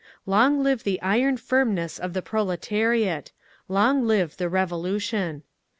"LONG LIVE THE IRON FIRMNESS OF THE PROLETARIAT! LONG LIVE THE REVOLUTION!"